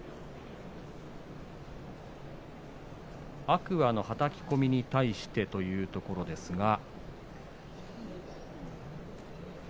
天空海のはたき込みに対してというところですけれど。